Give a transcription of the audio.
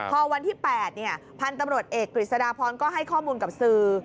พอวันที่๘พันธุ์ตำรวจเอกกฤษฎาพรก็ให้ข้อมูลกับสื่อ